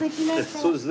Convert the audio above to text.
そうですね。